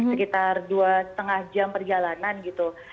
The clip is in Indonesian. sekitar dua lima jam perjalanan gitu